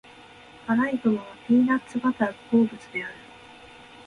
アライグマはピーナッツバターが好物である。